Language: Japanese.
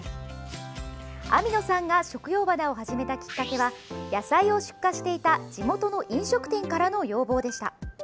網野さんが食用花を始めたきっかけは野菜を出荷していた地元の飲食店からの要望でした。